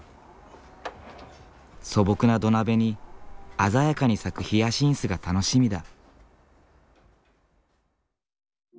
素朴な土鍋に鮮やかに咲くヒアシンスが楽しみだ。